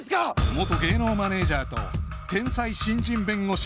元芸能マネジャーと天才新人弁護士。